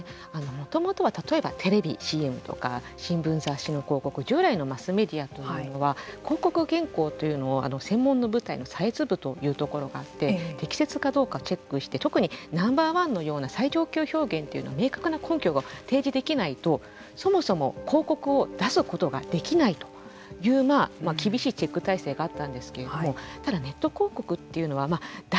もともとは例えばテレビＣＭとか新聞雑誌の広告従来マスメディアというのは広告原稿というのを専門の部隊のサイズ部というところがあって適切かどうかチェックして特にＮｏ．１のような最上級表現というのは明確な根拠が提示できないとそもそも広告を出すことができないという厳しいチェック体制があったんですけれども。